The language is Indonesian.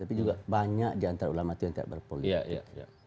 tapi juga banyak diantara ulama itu yang tidak berpolitik